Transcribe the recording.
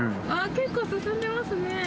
結構進んでますね。